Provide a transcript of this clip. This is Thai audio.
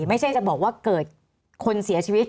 ไม่ใช่จะบอกว่าเกิดคนเสียชีวิต